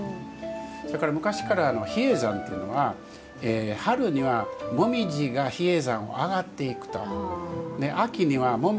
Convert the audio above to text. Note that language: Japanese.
それから昔から比叡山というのは春には紅葉が比叡山を上がっていくと。